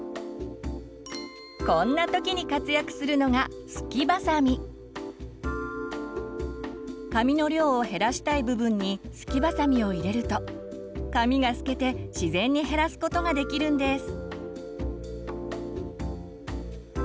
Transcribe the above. こんな時に活躍するのが髪の量を減らしたい部分にスキバサミを入れると髪がすけて自然に減らすことができるんです。